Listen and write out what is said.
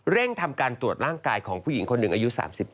ทำการตรวจร่างกายของผู้หญิงคนหนึ่งอายุ๓๗